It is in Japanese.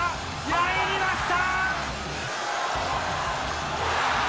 入りました！